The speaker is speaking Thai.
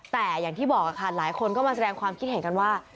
แต่อย่างที่บอกค่ะหลายคนก็มาแสดงความคิดเห็นกันว่า